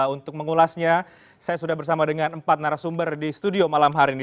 untuk mengulasnya saya sudah bersama dengan empat narasumber di studio malam hari ini